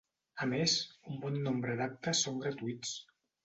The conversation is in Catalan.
A més, un bon nombre d'actes són gratuïts.